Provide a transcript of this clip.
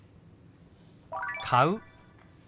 「買う」。